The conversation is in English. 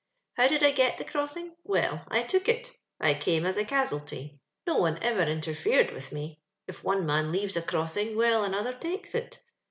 " How did I get the crossing ? Well, I took it— I came as a cas'alty. No one ever inter fered with me. If one man leaves a crossing, well, another takes it.